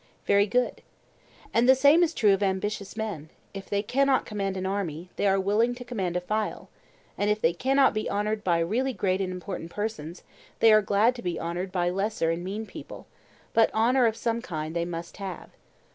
Very good. And the same is true of ambitious men; if they cannot command an army, they are willing to command a file; and if they cannot be honoured by really great and important persons, they are glad to be honoured by lesser and meaner people,—but honour of some kind they must have.